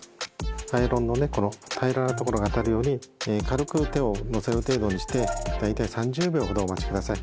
アイロンのこの平らなところが当たるように軽く手をのせる程度にして大体３０秒ほどお待ちください。